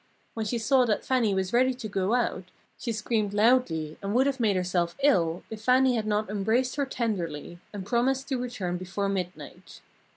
When she saw that Fannie was ready to go out, she screamed loudly and would have made herself ill, if Fannie had not embraced her tenderly, and promised to return before midnight.